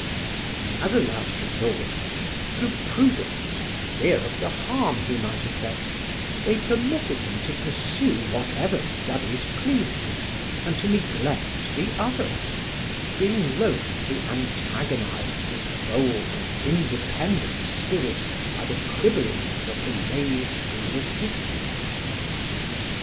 As a last resort, through prudence and fear of the harm he might effect, they permitted him to pursue whatever studies pleased him and to neglect the others, being loath to antagonize this bold and independent spirit by the quibblings of the lay school assistants.